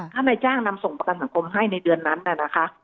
ถ้านายจ้างนำส่งประกันสังคมให้ในเดือนนั้นน่ะนะคะ